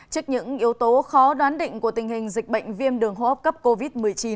trước những yếu tố khó đoán định của tình hình dịch bệnh viêm đường hô hấp cấp covid một mươi chín